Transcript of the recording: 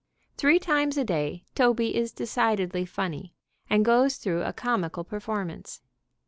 Three times a day Toby is decidedly funny, and goes through a comical performance.